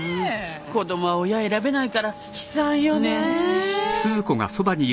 子供は親選べないから悲惨よね。